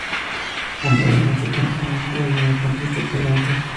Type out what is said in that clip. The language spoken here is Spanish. Hombre de mucho temperamento y mediocampista excelente.